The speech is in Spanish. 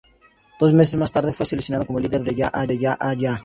Dos meses más tarde, fue seleccionado como el líder de Ya-Ya-yah.